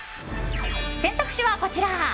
選択肢は、こちら。